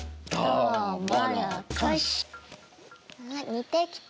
似てきた。